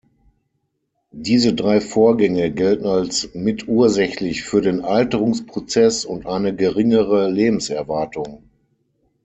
Diese drei Vorgänge gelten als mitursächlich für den Alterungsprozess und eine geringere Lebenserwartung.